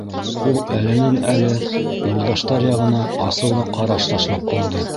Ул әленән-әле Юлдаштар яғына асыулы ҡараш ташлап алды.